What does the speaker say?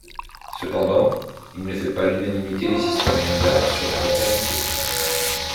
Cependant, il ne fait pas l'unanimité des historiens d'art sur la paternité.